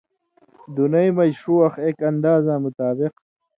دُنئ مژ ݜُو وخ ایک اندازاں مطابق